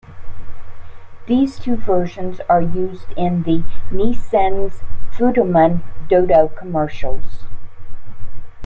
These two versions are used in the Nissin's Futomen Dodo commercials.